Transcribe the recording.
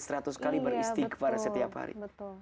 dari seratus kali beristighi kepada setiap hari